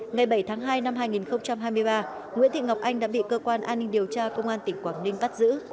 ngày bảy tháng hai năm hai nghìn hai mươi ba nguyễn thị ngọc anh đã bị cơ quan an ninh điều tra công an tỉnh quảng ninh bắt giữ